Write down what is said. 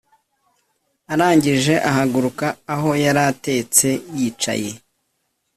arangije ahaguruka aho yaratetse(yicaye)